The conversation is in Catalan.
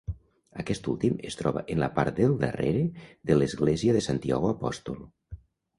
Aquest últim es troba en la part del darrere de l'església de Santiago Apòstol.